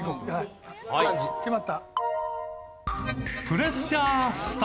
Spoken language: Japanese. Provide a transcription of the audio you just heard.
決まった。